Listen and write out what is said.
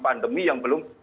pandemi yang belum